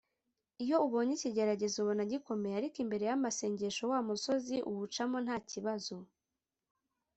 iyo ubonye ikigeragezo ubona gikomeye ariko imbere y'amasengesho wa musozi uwucamo nta kibazo